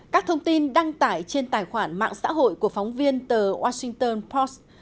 các thông tin đăng tải trên tài khoản mạng xã hội của phóng viên tờ washington post